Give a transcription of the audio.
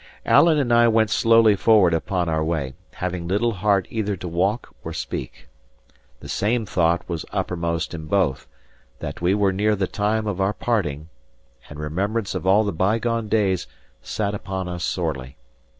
Alan and I went slowly forward upon our way, having little heart either to walk or speak. The same thought was uppermost in both, that we were near the time of our parting; and remembrance of all the bygone days sate upon us sorely.